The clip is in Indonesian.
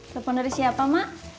telepon dari siapa mbak